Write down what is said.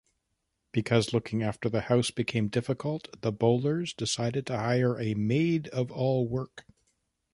Because looking after the house became difficult, the Bowlers decided to hire a maid-of-all-work.